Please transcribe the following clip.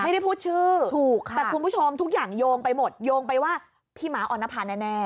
ไม่ได้พูดชื่อถูกค่ะแต่คุณผู้ชมทุกอย่างโยงไปหมดโยงไปว่าพี่หมาออนภาแน่